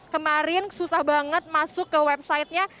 kemarin susah banget masuk ke websitenya